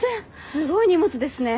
すごい荷物ですね。